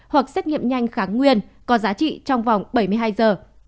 hoặc xét nghiệm nhanh kháng nguyên có giá trị trong vòng bảy mươi hai giờ